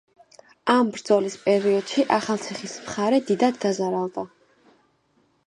ამ ბრძოლის პერიოდში ახალციხის მხარე დიდად დაზარალდა.